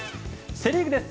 セ・リーグです。